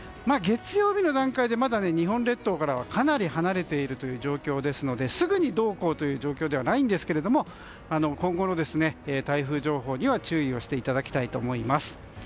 月曜の段階でまだ日本列島からはかなり離れているという状況ですのですぐにどうこうという状況ではないんですけども今後の台風情報には注意していただきたいと思います。